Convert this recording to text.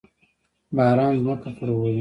باران ځمکه خړوبوي